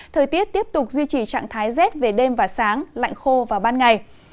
thời tiết tiếp tục duy trì trạng thái rét về đêm và sáng lạnh khô vào ban ngày